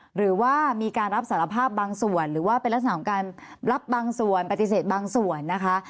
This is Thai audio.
หรือว่ามีการรับสารภาพบางส่วนหรือว่าเป็นลักษณะของการรับบางส่วนปฏิเสธบางส่วนนะคะ